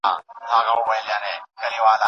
له لاهوره ترخجنده